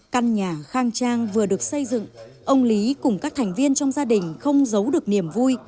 căn nhà khang trang vừa được xây dựng ông lý cùng các thành viên trong gia đình không giấu được niềm vui